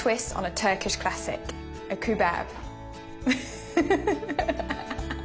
フフフフッ！